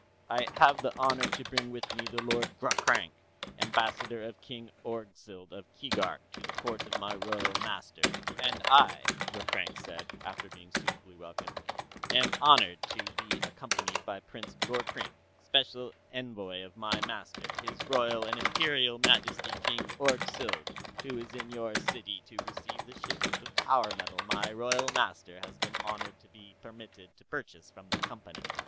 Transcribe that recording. "I have the honor to bring with me the Lord Ghroghrank, Ambassador of King Orgzild of Keegark to the court of my royal master." "And I," Ghroghrank said, after being suitably welcomed, "am honored to be accompanied by Prince Gorkrink, special envoy from my master, his Royal and Imperial Majesty King Orgzild, who is in your city to receive the shipment of power metal my royal master has been honored to be permitted to purchase from the Company."